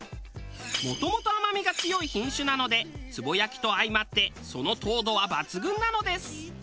もともと甘みが強い品種なのでつぼやきと相まってその糖度は抜群なのです。